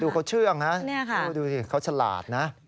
เขาเชื่องนะดูสิเขาฉลาดนะ